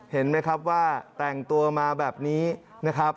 เห็นไหมครับว่าแต่งตัวมาแบบนี้นะครับ